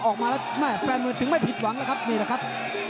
ออกมาแล้วแม่แฟนมวยถึงไม่ผิดหวังแล้วครับนี่แหละครับ